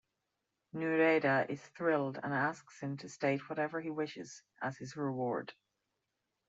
Nouredda is thrilled and asks him to state whatever he wishes as his reward.